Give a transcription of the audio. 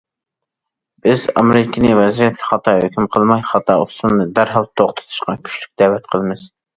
بىز ئامېرىكىنى ۋەزىيەتكە خاتا ھۆكۈم قىلماي، خاتا ئۇسۇلنى دەرھال توختىتىشقا كۈچلۈك دەۋەت قىلىمىز.